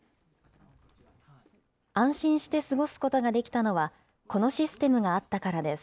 安心して過ごすことができたのは、このシステムがあったからです。